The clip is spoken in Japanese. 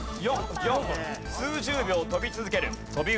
数十秒飛び続ける。